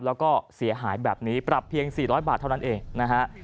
แล้วก็เสียหายแบบนี้ปรับเพียง๔๐๐บาทเท่านั้นเองนะฮะ